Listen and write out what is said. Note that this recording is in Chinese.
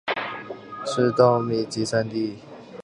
是稻米集散地。